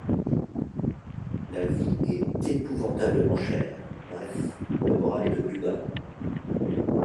La vie est épouvantablement chère, bref, le moral est au plus bas.